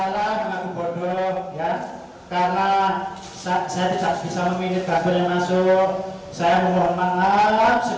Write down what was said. karena saya tidak bisa memilih kakun yang masuk